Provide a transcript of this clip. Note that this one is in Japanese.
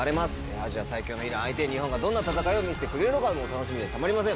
アジア最強のイラン相手に日本がどんな戦いを見せてくれるのかもう楽しみでたまりません